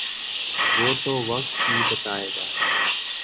وہ تو وقت ہی بتائے گا۔